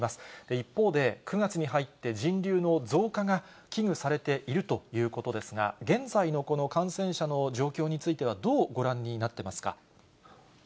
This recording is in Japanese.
一方で、９月に入って人流の増加が危惧されているということですが、現在のこの感染者の状況については、どうご覧になってますか。